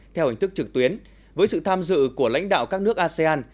theo hình thức trực tuyến với sự tham dự của lãnh đạo các nước asean